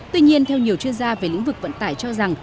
tuy nhiên theo nhiều chuyên gia về lĩnh vực vận tải cho rằng